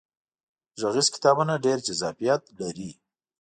غږیز کتابونه ډیر جذابیت لري.